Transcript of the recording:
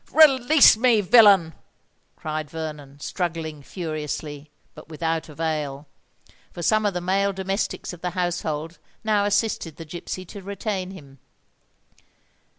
"Release me, villain!" cried Vernon, struggling furiously—but without avail; for some of the male domestics of the household now assisted the gipsy to retain him.